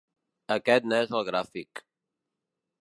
Aquest n’és el gràfic.